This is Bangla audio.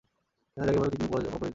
দেখা যাক, এবারও কি তিনি অপরাজিত থাকেন।